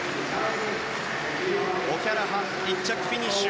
オキャラハン１着フィニッシュ。